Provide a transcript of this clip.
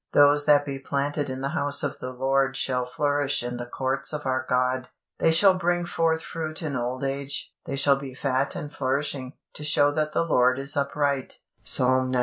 Those that be planted in the house of the Lord shall flourish in the courts of our God. They shall still bring forth fruit in old age; they shall be fat and flourishing, to show that the Lord is upright" (Psalm xcii.